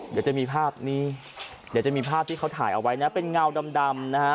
เดี๋ยวจะมีภาพนี้เดี๋ยวจะมีภาพที่เขาถ่ายเอาไว้นะเป็นเงาดำนะฮะ